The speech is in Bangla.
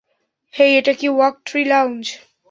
হেই, এটা কি ওয়াক ট্রি লাউঞ্জ?